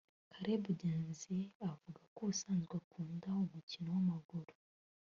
Caleb Ngenzi avuga ko ubusanzwe akunda umukino w’amaguru